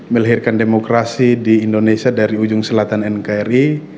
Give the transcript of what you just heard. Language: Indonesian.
melahirkan demokrasi di indonesia dari ujung selatan nkri